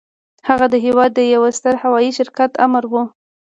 هغه د هېواد د يوه ستر هوايي شرکت آمر و.